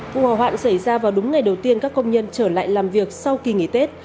vụ hỏa hoạn xảy ra vào đúng ngày đầu tiên các công nhân trở lại làm việc sau kỳ nghỉ tết